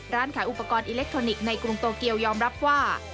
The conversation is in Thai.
ร้านขายอุปกรณ์อิเล็กทรอนิกส์ในกรุงโตเกียวยอมรับว่า